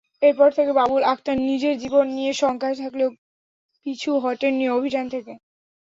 এরপর থেকে বাবুল আক্তার নিজের জীবন নিয়ে শঙ্কায় থাকলেও পিছু হটেননি অভিযান থেকে।